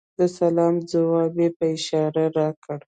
د سلام ځواب یې په اشاره راکړ .